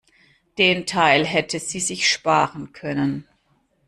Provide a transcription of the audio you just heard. Den Teil hätte sie sich sparen können.